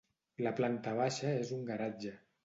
La planta baixa és un garatge.